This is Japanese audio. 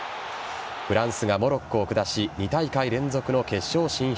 フランスがモロッコを下し２大会連続の決勝進出。